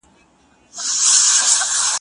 د «سلسال او شاهمامه» د منظومې د پای څو کرښې: